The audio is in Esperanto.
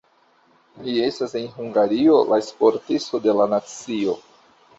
Li estas en Hungario la Sportisto de la nacio.